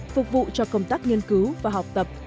phục vụ cho công tác nghiên cứu và học tập